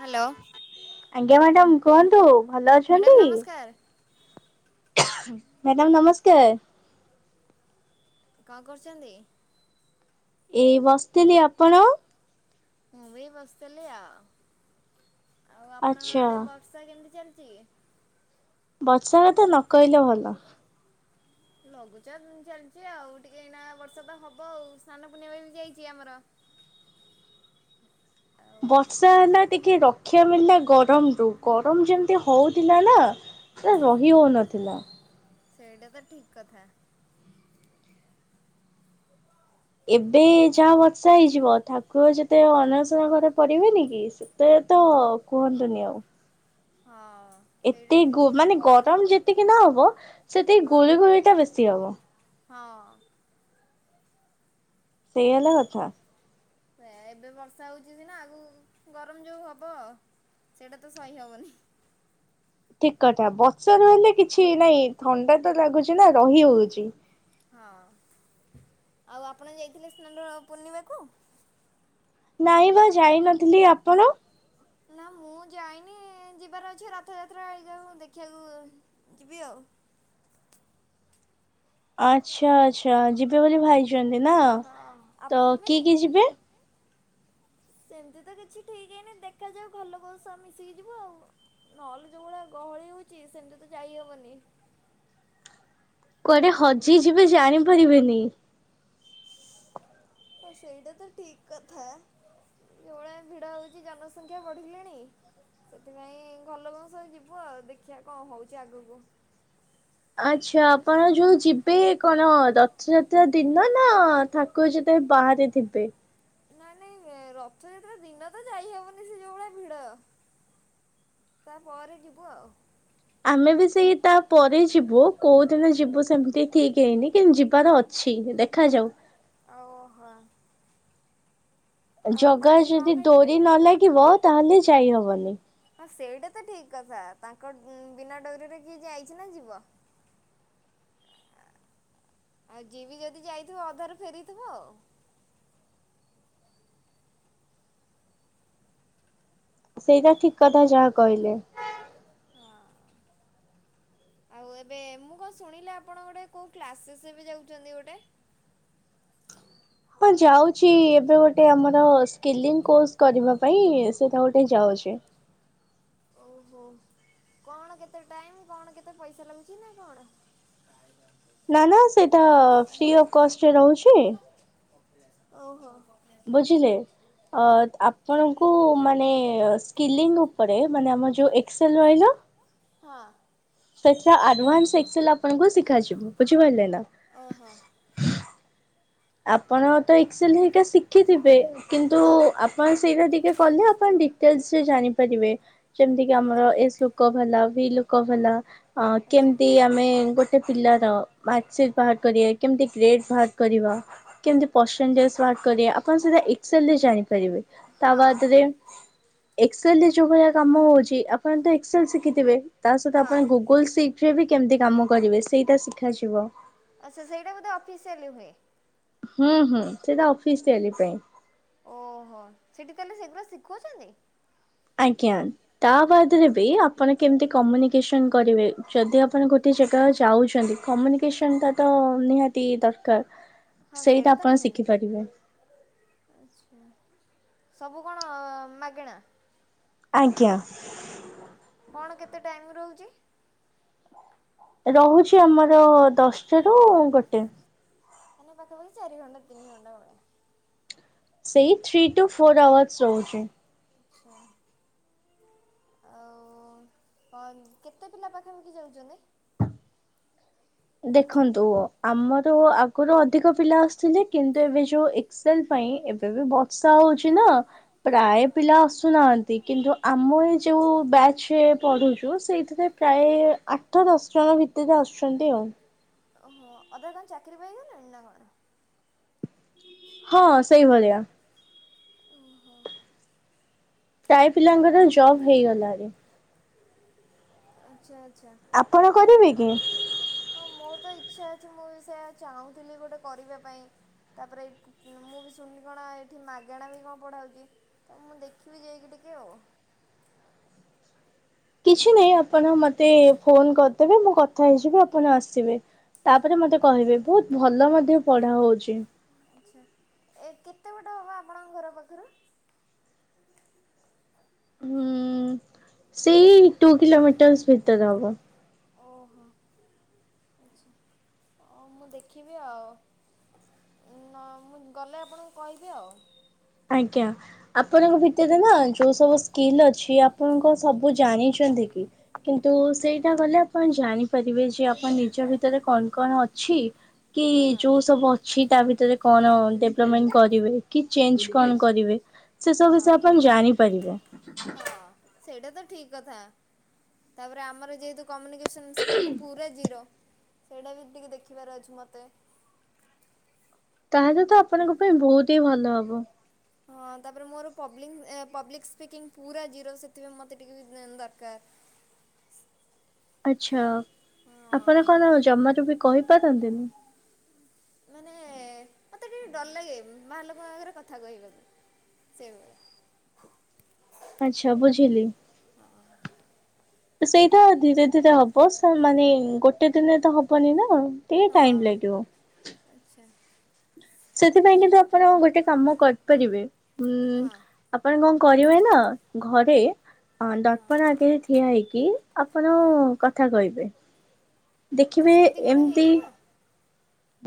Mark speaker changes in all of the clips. Speaker 1: Hello.
Speaker 2: ଆଜ୍ଞା madam କୁହନ୍ତୁ ଭଲ ଅଛି
Speaker 1: ମ୍ୟାଡ଼ାମ୍ ନମସ୍କାର୍।
Speaker 2: ମ୍ୟାଡ଼ାମ୍ ନମସ୍କାର୍।
Speaker 1: କଣ କରୁଛନ୍ତି?
Speaker 2: ଏଇ ବସିଥିଲି ଆପଣ?
Speaker 1: ମୁଁ ବି ବସିଥିଲି ଆଉ- ଆଉ ଆପଣଙ୍କ
Speaker 2: ଆଚ୍ଛା
Speaker 1: ଆଡ଼େ ବର୍ଷା କେମିତି ଚାଲିଛି?
Speaker 2: ବର୍ଷା କଥା ନକହିଲେ ଭଲ।
Speaker 1: ଲଘୁଚାପ ଚାଲିଛି ଆଉ ଟିକେ ଏଇନା ବର୍ଷା ତ ହବ ଆଉ ସ୍ନାନ ପୂର୍ଣ୍ଣିମା ବି ଯାଇଛି ଆମର। ଆଉ
Speaker 2: ବର୍ଷା ହେଲା ଟିକେ ରକ୍ଷା ମିଳିଲା ଗରମ ରୁ ଗରମ ଯେମିତି ହଉଥିଲା ନା ସେ ରହି ହଉନଥିଲା।
Speaker 1: ସେଇଟା ତ ଠିକ୍ କଥା।
Speaker 2: ଏବେ ଯାହା ବର୍ଷା ହେଇଯିବ ଥାକୁ କୁହ ଯେତେ ଅଣସର ଘରେ ପଡିବେନି କି ସେତେ ତ କୁହନ୍ତୁନି ଆଉ।
Speaker 1: ହଁ। ସେଇଟା
Speaker 2: ଏତେ
Speaker 1: ଠିକ୍
Speaker 2: ମୋ
Speaker 1: ପୁରା
Speaker 2: ମାନେ ଗରମ ଯେତିକି ନ ହବ ସେତିକି
Speaker 1: ହଁ
Speaker 2: ଗୋଳି ଗୋଳି ଟା ବେଶୀ ହବ।
Speaker 1: ହଁ।
Speaker 2: ସେଇ ହେଲା କଥା।
Speaker 1: ସେୟା ଏବେ ବର୍ଷା ହଉଛି ସିନା ଆଗକୁ ଗରମ ଯୋଉ ହବ ସେଇଟା ତ ସହି ହବନି।
Speaker 2: ଠକ୍ କଥା ବର୍ଷା ର ହେଲେ କିଛି ନାଇଁ ଥଣ୍ଡା ତ ଲାଗୁଛି ନା ରହି ହଉଛି।
Speaker 1: ହଁ- ଆଉ ଆପଣ ଯାଇଥିଲେ ସ୍ନାନ ପୂର୍ଣ୍ଣିମାକୁ?
Speaker 2: ନାଇଁ ବା ଯାଇ ନଥିଲି ଆପଣ?
Speaker 1: ନାଁ ମୁଁ ଯାଇନି ଯିବାର ଅଛି ରଥଯାତ୍ରା ହେଇଯାଉ ଦେଖିବାକୁ। ଯିବି ଆଉ।
Speaker 2: ଆଚ୍ଛା, ଆଚ୍ଛା ଯିବେ ବୋଲି ଭାଇଛନ୍ତି ନା
Speaker 1: ହଁ ଆପଣ
Speaker 2: ତ
Speaker 1: ଯିବେନି?
Speaker 2: କିଏ କିଏ ଯିବେ?
Speaker 1: ସେମିତି ତ କିଛି ଠିକ୍ ହେଇନି ଦେଖାଯାଉ ଘର ଲୋକଙ୍କ ସହ ମିଶିକି ଯିବୁ ଆଉ। ନହେଲେ ଯୋଉ ଭଳିଆ ଗହଳି ହଉଛି ସେମିତି ତ ଯାଇହବନି।
Speaker 2: କୁଆଡେ ହଜିଯିବେ ଜାଣିପାରିବେନି।
Speaker 1: ହଁ ସେଇଟା ତ ଠି କ୍‌ କଥା। ଯୋଉ ଭଳିଆ ଭିଡ ହେଉଛି ଜନସଂଖ୍ୟା ବଢିଲେଣି। ସେଥିପାଇଁ ଘଲୋକ ଙ୍କ ସହ ଯିବୁ ଆଉ ଦେଖିବା କଣ ହଉଛି ଆଗକୁ।
Speaker 2: ଆଚ୍ଛା, ଆପଣ ଯୋଉ ଯିବେ କଣ ରଥଯାତ୍ରା ଦିନ ନା ଥାକ୍ ଠାକୁର ଯେତେବେଳେ ବାହାରେ ଥିବେ।
Speaker 1: ନାଇଁ ନାଇଁ ରଥଯାତ୍ରା ଦିନ ତ ଯାଇ ହବନି ସେ ଯୋଉ ଭଳିଆ ଭିଡ ତା ପରେ ଯିବୁ ଆଉ।
Speaker 2: ଆମେ ବି ସେଇ ତା ପରେ ଯିବୁ କୋଉ ଦିନ ଯିବୁ ସେମିତି ଠିକ୍ ହେଇନି କିନ୍ତୁ ଯିବାର ଅ ଛି ଦେଖାଯାଉ।
Speaker 1: ଆଉ ହଁ।
Speaker 2: ଜଗା ର
Speaker 1: ଆଜି କଣ
Speaker 2: ଯଦି
Speaker 1: ଖାଇଥିଲେ?
Speaker 2: ଡୋରି ନ ଲାଗିବ ତାହେଲେ ଯାଇ ହବନି।
Speaker 1: ହଁ ସେଇଟା ତ ଠିକ୍ କଥା ତାଙ୍କ ବିନା ଡୋରିରେ କିଏ ଯାଇଚି ନା ଯିବ। ଆଉ ଯିବି ଯଦି ଯାଇଥିବ ଅଧାରୁ ଫେରିଥିବ ଆଉ।
Speaker 2: ସେଇଟା ଠିକ୍ କଥା ଯାହା କହିଲେ।
Speaker 1: ହଁ। ଆଉ ଏବେ ମୁଁ କଣ ଶୁଣିଲି ଆପଣ ଗୋଟେ କେଉଁ କ୍ଲାସେସେ ଏବେ ଯାଉଛନ୍ତି ଗୋଟେ?
Speaker 2: ହଁ ଯାଉଚି ଏବେ ଗୋଟେ ଆମର ସ୍କିଲିଂ କୋର୍ସ କରିବା ପାଇଁ ସେଇଟା ଗୋଟେ ଯାଉଚି।
Speaker 1: ଓହୋ କଣ କେତେ ଟାଇମ୍ କଣ କେତେ ପଇସା ଲାଗୁଚି ନା କଣ? [unintelligible]
Speaker 2: ନାଁ ନାଁ ସେଇଟା ଫ୍ରି ଅଫ କଷ୍ଟରେ ରହୁଚି।
Speaker 1: ଓହୋ।
Speaker 2: ବୁଝିଲେ ଅ
Speaker 1: ହଁ
Speaker 2: ଆପ୍ ଆପଣଙ୍କୁ ମାନେ ସ୍କିଲିଂ ଉପରେ ମାନେ ଆମର ଯୋଉ ଏକ୍ସେଲ ରହିଲା।
Speaker 1: ହଁ।
Speaker 2: ସେଟା ଆଡଭାନ୍ସ ଏକ୍ସଲ ଆପଣଙ୍କୁ ଶିଖାଯିବ ବୁଝିପାରିଲେ ନାଁ?
Speaker 1: ଓହୋ।
Speaker 2: ଆପଣ ତ ଏକ୍ସେଲ ହେରିକା ଶିଖିଥିବେ କିନ୍ତୁ
Speaker 1: ହଁ।
Speaker 2: ଆପ୍ ଆପଣ ସେଇଟା ଟିକେ କଲେ ଆପଣ ଡିଟେଲସରେ ଜାଣିପାରିବେ ଯେମିତି
Speaker 1: ଆଚ୍ଛା
Speaker 2: ଆମର ଏସବୁ ଲୋକ ଭଲ ଭି ଲୋକ ଭଲ ଅଁ
Speaker 1: ଆଚ୍ଛା
Speaker 2: କେମତି ଆମେ ଗୋ ଗୋଟେ ପିଲାର ମାର୍କସିଟ ବାହାର କରିବା କେମିତି ଗ୍ରେଟ୍ ବାହାର କରିବା। କେମିତି
Speaker 1: ଆଚ୍ଛା
Speaker 2: ପରସେଣ୍ଟେଜ ବାହାରକରିବା ଆପଣ ଏକ୍ସେଲ ରେ ଜାଣିପାରିବେ
Speaker 1: ହଁ
Speaker 2: ତା ବାଦରେ ଏକ୍ସଲରେ ଯୋଉ ଭଳିଆ କାମ ହଉଛି ଆପଣ ତ ଏକ୍ସଲ ଶିଖିଥିବେ ତା ସହିତ
Speaker 1: ହଁ
Speaker 2: ଆପଣ ଗୁଗ ଲ ଶିଟି ରେ ବି କେମିତି କାମ କରିବେ ସେଇଟା ଶିଖାଯିବ।
Speaker 1: ଆଚ୍ଛା ସେଇଟା ବୋଧେ ଅଫିସିଆଲି ହୁଏ।
Speaker 2: ହୁଁ ହୁଁ ସେଇଟା ଅଫିସ୍ ହେଲି ପାଇଁ।
Speaker 1: ଓହୋ ସେଠି ତାହେଲେ ସେଗଡ଼ାକ ଶିଖୁଉଛନ୍ତି?
Speaker 2: ଆଜ୍ଞା। ତା ବାଦରେ ବି ଆପଣ କେମିତି କମ୍ୟୁନିକେସନ କରିବେ ଯଦି ଆପଣ ଗୋଟେ ଜାଗା ଯାଉଚନ୍ତି। କମ୍ୟୁନିକେସନ ଟା ତ ନିହାତି ଦରକାର
Speaker 1: ହଁ
Speaker 2: ସେଇଟା
Speaker 1: ତ
Speaker 2: ଆପଣ
Speaker 1: ନିହାତି
Speaker 2: ଶିଖିପାରିବେ।
Speaker 1: ଆଚ୍ଛା ସବୁ କଣ ମାଗେଣା?
Speaker 2: ଆଜ୍ଞା।
Speaker 1: କଣ କେତେ ଟାଇମ୍ ରହୁଚି?
Speaker 2: ରହୁଛି ଆମର ଦଶଟା ରୁ ଗୋଟେ।
Speaker 1: ମାନେ ପାଖା ପାଖି ଚାରିଘଣ୍ଡା ତିନିଘଣ୍ଟା ଭଳିଆ।
Speaker 2: ସେଇ ଥ୍ରୀ ଟୁ ଫୋର ଆୱାର୍ସ ରହୁଚି।
Speaker 1: ଆଚ୍ଛା। ଆଉ ହ କେତେ ପିଲା ପାଖାପାଖି ଯାଉଚନ୍ତି?
Speaker 2: ଦେଖନ୍ତୁ ଆମର ଆଗରୁ ଅଧିକ ପିଲା ଆସୁଥିଲେ କିନ୍ତୁ ଏବେ ଯୋଉ ଏ ସେଲ ପାଇଁ ଏବେ ବି ବର୍ଷା ହଉଚି ନାଁ
Speaker 1: ହଁ
Speaker 2: ପ୍ରାୟ ପିଲା ଆସୁନାହାଁନ୍ତି କିନ୍ତୁ ଆମ ଏ ଯୋଉ ବ୍ୟାଚରେ ପଢୁଚୁ ସେଇଥିରେ ପ୍ରାୟ ଆଠ ଦଶ ଜଣ ଭିତରେ ଆସୁଚନ୍ତି ଆଉ।
Speaker 1: ଓହୋ ଅଧା କଣ ଚାକିରି ପାଇଗଲେଣି ନା କଣ?
Speaker 2: ହଁ ସେଇଭଳିଆ।
Speaker 1: ଓହୋ
Speaker 2: ପ୍ରାୟ ପିଲାଙ୍କର ଜବ୍ ହେଇଗଲାଣି।
Speaker 1: ଆଚ୍ଛା ଆଚ୍ଛା।
Speaker 2: ଆପଣ କରିବେ କି?
Speaker 1: ହଁ ମୋର ତ ଇଚ୍ଛା ଅଛି ମୁଁ ବି ସେଆ ଚାହୁଁଥିଲି ଗୋଟେ କରିବା ପାଇଁ। ତାପରେ ଏଇ ମୁଁ ବି ଶୁଣିଲି କଣ ଏଠି ମାଗେଣା ବି କଣ ପଢା ହଉଚି। ତ ମୁଁ ଦେଖିବି ଯାଇକି ଟିକେ ଆଉ।
Speaker 2: କିଛି ନାହିଁ ଆପଣ ମତେ ଫୋନ କରିଦେବେ ମୁଁ କଥା ହେଇଯିବି ଆପଣ ଆସିବେ। ତାପରେ ମତେ କହିବେ ବହୁତ ଭଲ ମଧ୍ୟ ପଢା ହଉଚି।
Speaker 1: ଆଚ୍ଛା। ଏ କେତେ ବାଟ ହବ ଆମର ଘର ପାଖର?
Speaker 2: ହୁଁ ସେଇ ଟୁ କିଲୋମିଟର୍ସ ଭିତରେ ହବ।
Speaker 1: ଓହୋ ହଁ ମୁଁ ଦେଖିବି ଆଉ ନ ମୁଁ ଗଲେ ଆପଣଙ୍କୁ କହିବି ଆଉ।
Speaker 2: ଆଜ୍ଞା। ଆପଣଙ୍କ ଭିତରେ ନା ଯୋଉ ସବୁ ସ୍କିଲ୍ ଅଛି ଆପଣଙ୍କ ସବୁ ଜାଣିଛନ୍ତି କି? କିନ୍ତୁ ସେଇଟା କଲେ ଆପଣ ଜାଣିପାରିବେ ଯେ ଆପଣ ନିଜ ଭିତରେ କଣ କଣ ଅଛି। କି
Speaker 1: ହଁ
Speaker 2: ଯୋଉ ସବୁ ଅଛି ତା ଭିତରେ କଣ ଡେଭଲମେଣ୍ଟ କରିବେ କି ଚେଞ୍ଜ କଣ କରିବେ ସେ ସବୁ
Speaker 1: ହଁ
Speaker 2: ବିଷୟ ଆପଣ ଜାଣିପାରିବେ।
Speaker 1: ହଁ ସେଇଟା ତ ଠିକ କଥା ତାପରେ ଆମର ଯେହେତୁ କମ୍ୟୁନିକେସନ୍ ସ୍କିଲ୍ ପୁରା ଜିରୋ ସେଇଟା ବି ଟିକେ ଦେଖିବାର ଅଛି ମତେ।
Speaker 2: ତାହେଲେ ତ ଆପଣଙ୍କ ପାଇଁ ବହୁତ ହି ଭଲ ହବ।
Speaker 1: ହଁ ତାପରେ ମୋର ପବ୍ଲିନିଗ୍ ପବ୍ଲିକ୍ ସ୍ପିକିଙ୍ଗ ପୁରା ଜିରୋ ସେଥିପାଇଁ ମତେ ଟିକେ ଦରକାର।
Speaker 2: ଆଚ୍ଛା ଆପଣ
Speaker 1: ହଁ
Speaker 2: କଣ ଜମାରୁୁ ବି କହିପାରନ୍ତିନି?
Speaker 1: ମାନେ ମୋତେ ଟିକେ ଡର ଲାଗେ ବାହାର ଲୋକଙ୍କ ଆଗରେ କଥା କହିବାକୁ। ସେଇଭଳିଆ।
Speaker 2: ଆଚ୍ଛା ବୁଝିଲି। ସେଇଟା ଧୀରେ ଧୀରେ ହବ ସା ମାନେ ଗୋଟେ ଦିନରେ ତ ହବନି ନା।
Speaker 1: ହଁ
Speaker 2: ଟାଇମ ଲାଗିବ।
Speaker 1: ଆଚ୍ଛା।
Speaker 2: ସେଥିପାଇଁ କିନ୍ତୁ ଆପଣ ଗୋଟେ କାମ କରିପାରିବେ ଉଁ
Speaker 1: ହଁ
Speaker 2: ଆପଣ କଣ କରିବେ ନା ଘରେ ହଁ ଦର୍ପଣ ଆଗରେ ଠିଆ ହେଇକି ଆପଣ
Speaker 1: ହଁ।
Speaker 2: କଥା କହିବେ।
Speaker 1: ତ
Speaker 2: ଦେଖିବେ
Speaker 1: ସେମିତି କଣ
Speaker 2: ଏମତି
Speaker 1: ହେଇଯିବ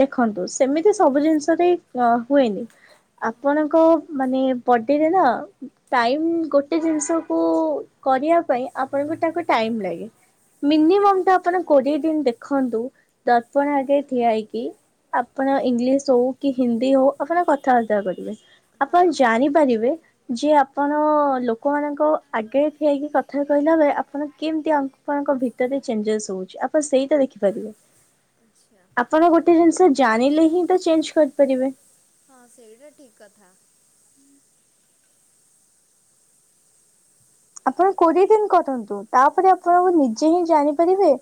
Speaker 2: ଦେଖନ୍ତୁ ସେମିତି ସବୁ ଜିନିଷରେ ହୁଏନି। ଆପଣଙ୍କ ମାନେ ବଡେରେ ନା ଟାଇମ ଗୋଟେ ଜିନିଷ କୁ କରିବା ପାଇଁ ଆପଣଙ୍କୁ ତାକୁ ଟାଇମ ଲାଗେ। ମିନିମମ୍ ଟା ଆପଣ
Speaker 1: ହଁ
Speaker 2: କୋଡିଏ ଦିନି ଦେଖନ୍ତୁ ଦର୍ପଣ
Speaker 1: ହଁ
Speaker 2: ଆଗେ ଠିଆ ହେଇ। କି ଆପଣ ଇଂଲିଶ ହଉ କି ହିନ୍ଦୀ ହଉ ଆପଣ କଥାବାର୍ତ୍ତା କରିବେ।
Speaker 1: ହଁ।
Speaker 2: ଆପଣ ଜାଣିପାରିବେ ଯେ ଆପଣ ଲୋକମାନଙ୍କ ଆଗରେ ଠିଆହେଇକି କଥା କହିଲା ବେଳେ ଆପଣ କେମିତି ଅ ଆପଣଙ୍କ ଭିତରେ ଚେଞ୍ଜେସ ହଉଚି ଆପଣ ସେଇଟା ଦେଖିପାରିବେ।
Speaker 1: ଆଚ୍ଛା।
Speaker 2: ଆପଣ ଗୋଟେ ଜିନିଷ ଜାଣିଲେ ହିଁ ତ ଚେଞ୍ଜ କରିପାରିବେ।
Speaker 1: ହଁ ସେଇଟା ଠିକ୍ କଥା।
Speaker 2: ଆପଣ କୋଡ଼ିଏ ଦିନ୍ କଥାନ୍ତୁ ତାପରେ ଆପଣଙ୍କୁ ନିଜେହିଁ ଜାଣିପାରିବେ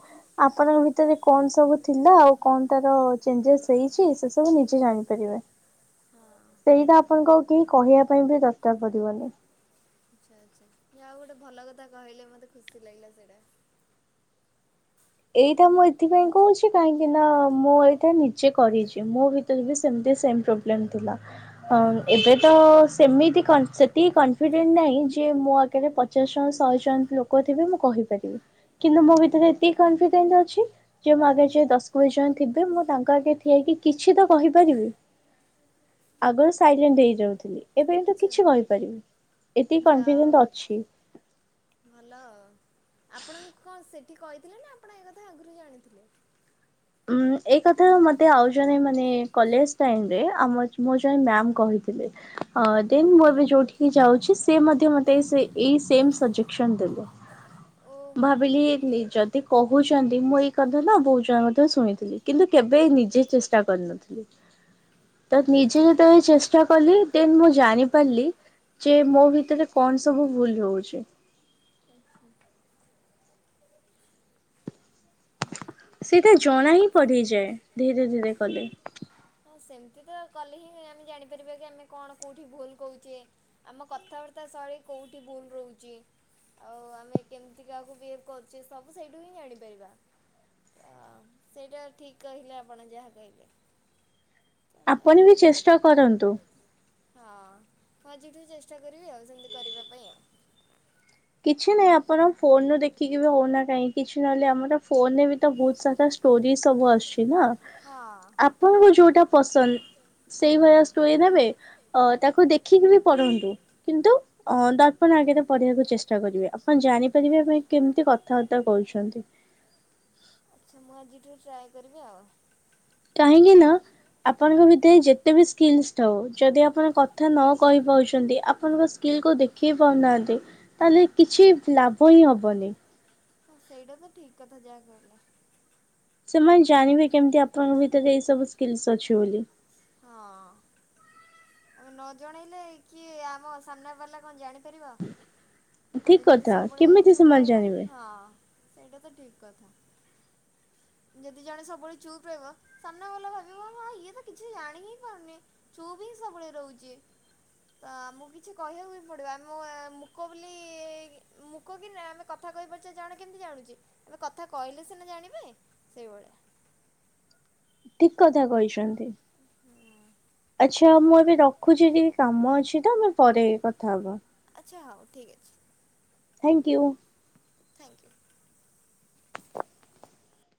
Speaker 2: ଆପଣଙ୍କ ଭିତରେ କଣ ସବୁ ଥିଲା ଆଉ କଣ ତାର ଚେଞ୍ଜେସ୍ ହେଇଚି ସେସବୁ ନିଜେ ଜାଣିପାରିବେ।
Speaker 1: [inaudible]
Speaker 2: ସେଇଟା ଆପଣଙ୍କୁ ଆଉ କେହି କହିବା ପାଇଁବି ଦରକାର ପଡ଼ିବନି।
Speaker 1: ଆଚ୍ଛା ଆଚ୍ଛା ଯାହାହଉ ଗୋଟେ ଭଲ କଥା କହିଲେ ମତେ ଖୁସି ଲାଗିଲା ସେଇଟା।
Speaker 2: ଏଇଟା ମୁଁ ଏଥିପାଇଁ କହିଚି କାହିଁକିନା ମୁଁ ଏଇଟା ନିଜେ କରିଚି ମୋ ଭି ମୋରବି ସେମିତି ସେମ୍ ପ୍ରୋବଲେମ୍ ଥିଲା। ଅଁ
Speaker 1: ଓହୋ
Speaker 2: ଏବେତ ସେମିତି କ ସେତିକି କନଫିଡେଣ୍ଟ ନାହିଁ ଯେ ମୁଁ ଆଗରେ ପଚାଶ ଜଣ ଶହେ ଜଣ ଲୋକ ଥିବେ ମୁଁ କହିପାରିବି କିନ୍ତୁ ମୋଭିତରେ ଏତିକି କନଫିଡେଣ୍ଟ ଅଛି ଯେମୋ ଆଗରେଯେ ଦଶ କୋଡ଼ିଏ ଜଣ ଥିବେ ମୁଁ ତାଙ୍କ ଆଗରେ ଠିଆ ହେଇକି କିଛିତ କହିପାରିବି। ଆଗରୁ ସାଇଲେଣ୍ଟ ହେଇଯାଉଥିଲି ଏବେ କିନ୍ତୁ
Speaker 1: ଆଚ୍ଛା
Speaker 2: କିଛି କହିପାରିବି ଏତିକି
Speaker 1: ଯାହା
Speaker 2: କନଫିଡେଣ୍ଟ
Speaker 1: ହଉ।
Speaker 2: ଅଛି।
Speaker 1: ଭଲ ଆପଣଙ୍କୁ କଣ ସେଠି କହିଥିଲେନା ଆପଣ ଏକ କଥା ଆଗରୁ ଜାଣିଥିଲେ?
Speaker 2: ଉଁ ଏଇକଥା ମୋତେ ଆଉ ଜଣେ ମାନେ କଲେଜ୍ ଟାଇମରେ ଆ ମୋ ଜଣେ ମ୍ୟାମ୍ କହିଥିଲେ। ହଁ ଦେନ୍ ମୁଁ ଏବେ ଯୋଉଠିକି ଯାଉଚି ସେମଧ୍ୟ ମତେ ଏଇ ସେମ୍ ସଜେସନ୍ ଦେଲେ।
Speaker 1: [inaudible] ଓହୋ
Speaker 2: ଭାବିଲି ଯଦି କହୁଛନ୍ତି ମୁଁ ଏଇ କଥାନା ବହୁତ୍ ଜଣ ଶୁଣିଥିଲି କିନ୍ତୁ କେବେ ନିଜେ ଚେଷ୍ଟା କରିନଥିଲି। ତ
Speaker 1: ଆଚ୍ଛା।
Speaker 2: ନିଜେ ଯେତେବେଳେ ଚେଷ୍ଟା କଲି ଦେନ୍ ମୁଁ ଜାଣି ପାରିଲି ଯେ ମୋ ଭିତରେ କଣ ସବୁ ଭୁଲ ହଉଛି।
Speaker 1: ଆଚ୍ଛା।
Speaker 2: ସେଇଟା ଜଣାହିଁ ପଢିଯାଏ ଧୀରେ ଧୀରେ କଲି।
Speaker 1: ହଁ ସେମିତିତ କଲେହିଁ ଆମେ ଜାଣିପାରିବାକି ଆମେ କଣ କେଉଁଠି ଭୁଲ କହୁଚେ ଆମ କଥାବାର୍ତ୍ତା ଶୈଳୀ କୋଉଠି ଭୁଲ୍ ରହୁଚି। ଆଉ ଆମେ କେମିତି କାହାକୁ ବିହେଭ୍ କରୁଚେ ସବୁ ସେଇଠୁହିଁ ଜାଣିପାରିବା। ଅ ସେଇଟା ଠିକ୍ କହିଲେ ଆପଣ ଯାହା କହିଲେ।
Speaker 2: ଆପଣବି ଚେଷ୍ଟା କରନ୍ତୁ।
Speaker 1: ହଁ ହଁ ଆଜିଠୁ ଚେଷ୍ଟା କରିବି ଆଉ ସେମିତି କରିବା ପାଇଁ ଆଉ।
Speaker 2: କିଛି ନାହିଁ ଆପଣ ଫୋନରୁ ଦେଖିକିବି ହଉନା କାହିଁ କିଛି ନହେଲେ ଆମର ଫୋନରେବିତ ବହୁତ୍ ସାରା ୋ ସବୁ ଆଛିନା
Speaker 1: ହଁ
Speaker 2: ଆପଣଙ୍କୁ ଯୋଉଟା ପସନ୍ଦ ସେଇ ଭଳିଆ ସ୍ଟୋରି ନେବେ ଅ ତାକୁ ଦେଖିକିବି କରନ୍ତୁ କିନ୍ତୁ ଅ ଦର୍ପଣ ଆଗରେ କରିବାକୁ ଚେଷ୍ଟା ଚେଷ୍ଟା କରିବେ ଆପଣ ଜାଣିପାରିବେ ପାଇଁ କେମିତି କଥାବାର୍ତ୍ତା କହୁଛନ୍ତି।
Speaker 1: ଆଚ୍ଛା ମୁଁ ଆଜିଠୁ ଟ୍ରାଏ କରିବି ଆଉ।
Speaker 2: କାହିଁକିନା ଆପଣଙ୍କ ଭିତରେ ଯେତେବି ସ୍କିଲ୍ସ୍ ଥାଉ ଯଦି ଆପଣ କଥା ନକହିପାରୁଛନ୍ତି ଆପଣଙ୍କ ସ୍କିଲ୍କୁ ଦେଖେଇ ପାରୁନାହାନ୍ତି ତାହେଲେ କିଛି ଲାଭହିଁ ହବନି
Speaker 1: ହଁ ସେଇଟାତ ଠିକ୍ କଥା ଯାହା କହିଲ।
Speaker 2: ସେମାନେ ଜାଣିବେ କେମିତି ଆପଣଙ୍କ ଭିତରେ ଏଇ ସବୁ ସ୍କିଲ୍ସ ଅଛି ବୋଲି।
Speaker 1: ହଁ। ଆମେ ନଜଣେଇଲେ କିଏ ଆମ ସାମ୍ନା ବାଲା କଣ ଜାଣିପାରିବ।
Speaker 2: ଠିକ
Speaker 1: ଆମେ ଯଦି
Speaker 2: କଥା
Speaker 1: ସବୁବେଳେ
Speaker 2: କେମିତି
Speaker 1: ଚୁପ୍
Speaker 2: ସେମାନେ
Speaker 1: ରହିବା
Speaker 2: ଜାଣିବେ
Speaker 1: ହଁ ସେଇଟାତ ଠିକ୍ କଥା। ଯଦି ଜଣେ ସବୁବେଳେ ଚୁପ୍ ରହିବ ସାମ୍ନା ଭଲା ଭାବିବ ହଁ ଇଏତ କି କିଛି ଜାଣିହିଁ ପାରୁନି ଚୁପ୍ ହିଁ ସବୁବେଳେ ରହୁଚି। ତ ଆମକୁ କିଛି କହିବାକୁବି ପଡ଼ିବ ମୁଁ ମୁକ ବୋଲି ମୁ ଲ କହ କି ନା ଆମେ କଥା କହିପାରୁଚେ ଜାଣ କେମିତି ଜାଣୁଚି ଆମେ କଥା କହିଲେ ସିନା ଜାଣିବେ ସେଇଭଳିଆ।
Speaker 2: ଠିକ୍ କଥା କହିଛନ୍ତି।
Speaker 1: ହୁଁ!
Speaker 2: ଆଚ୍ଛା ମୁଁ ଏବେ ରଖୁଚି ଟିକେ କାମ ଅଛି ତ ଆମେ ପରେ କଥା ହବା।
Speaker 1: ଆଚ୍ଛା ହଉ ଠିକ୍ ଅଛି।
Speaker 2: Thank you.
Speaker 1: Thank you.